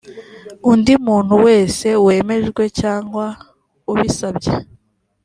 undi muntu wese wemejwe cyangwa ubisabye